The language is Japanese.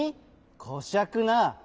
こしゃくな。